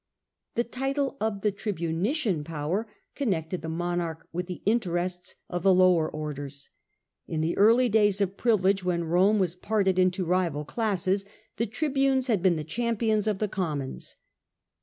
The title of the tribunician power connected the monarch with the interests of the lower orders. In the Tribunicia early days of privilege, when Rome was Potestas. parted into rival classes, the tribunes had been the champions of the commons.